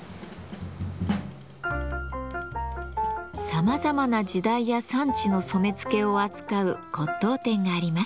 さまざまな時代や産地の染付を扱う骨董店があります。